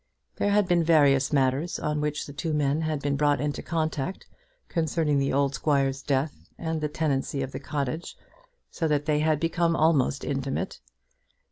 There had been various matters on which the two men had been brought into contact concerning the old squire's death and the tenancy of the cottage, so that they had become almost intimate.